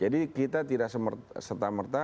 jadi kita tidak serta merta